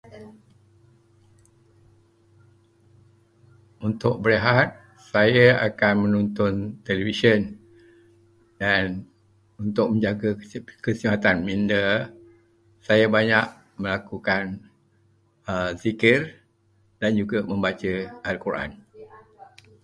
Untuk berehat saya akan menonton televisyen, dan untuk menjaga kesi- kesihatan minda, saya banyak melakukan aa zikir dan juga membaca al-Quran.